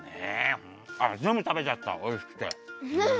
ぜんぶたべちゃったおいしくて。